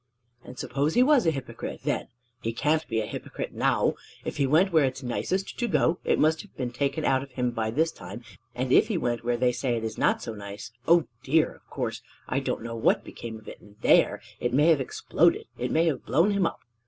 And suppose he was a hypocrite then; he can't be a hypocrite now! If he went where it's nicest to go, it must have been taken out of him by this time; and if he went where they say it is not so nice, O dear! of course, I don't know what became of it there; it may have exploded; it may have blown him up."